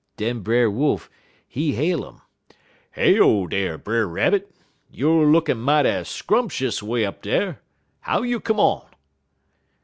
Den Brer Wolf, he hail 'im: "'Heyo dar, Brer Rabbit! Youer lookin' mighty scrumptious way up dar! How you come on?'